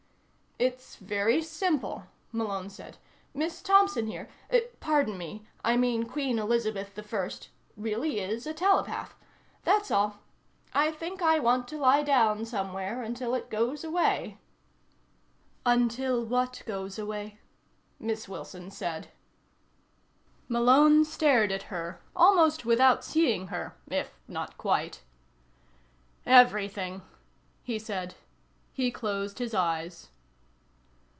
"It's very simple," Malone said. "Miss Thompson here pardon me; I mean Queen Elizabeth I really is a telepath. That's all. I think I want to lie down somewhere until it goes away." "Until what goes away?" Miss Wilson said. Malone stared at her almost without seeing her, if not quite. "Everything," he said. He closed his eyes.